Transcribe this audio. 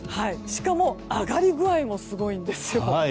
しかも上がり具合もすごいんですよ。